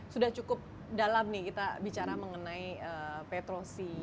sudah cukup dalam nih kita bicara mengenai petrosi